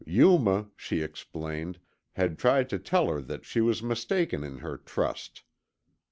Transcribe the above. Yuma, she explained, had tried to tell her that she was mistaken in her trust.